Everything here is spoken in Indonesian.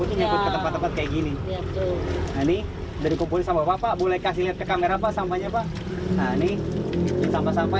ini dari kumpul sama papa boleh kasih lihat ke kamera apa sampahnya pak nah ini sampah sampah